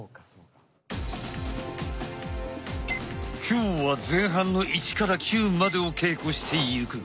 今日は前半の１９までを稽古していく。